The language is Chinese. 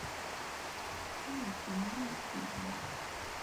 目前隶属于。